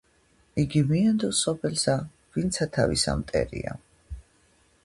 იგი მიენდოს სოფელსა, ვინცა თავისა მტერია